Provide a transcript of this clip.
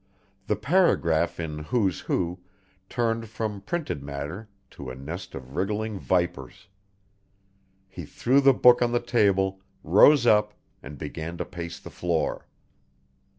The paragraph in "Who's Who" turned from printed matter to a nest of wriggling vipers. He threw the book on the table, rose up, and began to pace the floor.